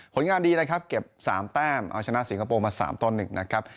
ผลงานดีนะครับเก็บสามแต้มเอาชนะสิงคโปร์มาสามต้นหนึ่งนะครับ